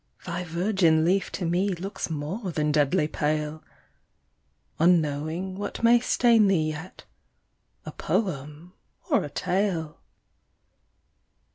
thy virgin leaf To me looks more than deadly pale, Unknowing what may stain thee yet, A poem or a tale.